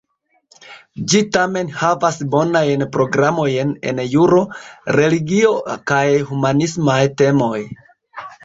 Ĝi tamen havas bonajn programojn en juro, religio, kaj humanismaj temoj.